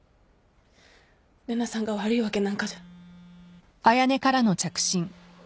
玲奈さんが悪いわけなんかじゃ。